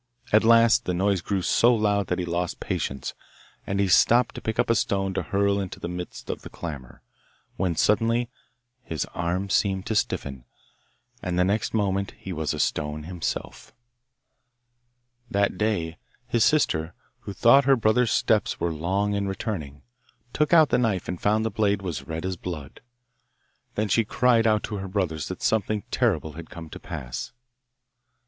At last the noise grew so loud that he lost patience, and he stooped to pick up a stone to hurl into the midst of the clamour, when suddenly his arm seemed to stiffen, and the next moment he was a stone himself! That day his sister, who thought her brother's steps were long in returning, took out the knife and found the blade was red as blood. Then she cried out to her brothers that something terrible had come to pass.